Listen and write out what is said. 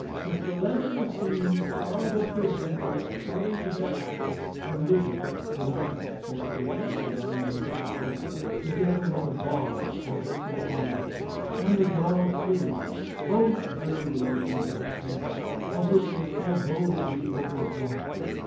The celestial scene farther presented, according to their Atlas, a river (the Nile, designated by the windings of the Hydra;) together with a barge (the vessel Argo,) and the dog Sirius, both bearing relation to that river, of which they foreboded the overflowing.